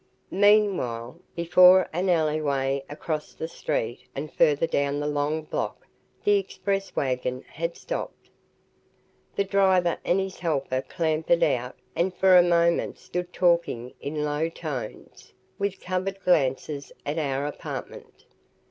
Meanwhile, before an alleyway across the street and further down the long block the express wagon had stopped. The driver and his helper clambered out and for a moment stood talking in low tones, with covert glances at our apartment.